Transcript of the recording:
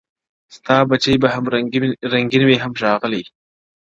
• ستا بچي به هم رنګین وي هم ښاغلي -